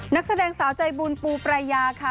นักแสดงสาวใจบุญปูปรายาค่ะ